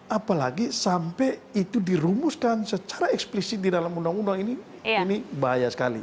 apalagi sampai itu dirumuskan secara eksplisit di dalam undang undang ini ini bahaya sekali